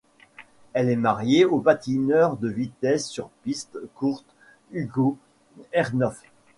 Elle est mariée au patineur de vitesse sur piste courte Hugo Herrnhof.